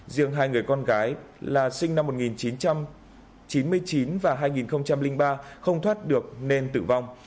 riêng hai người con gái là sinh năm một nghìn chín trăm chín mươi chín và hai nghìn ba không thoát được nên tử vong